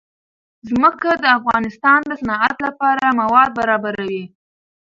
ځمکه د افغانستان د صنعت لپاره مواد برابروي.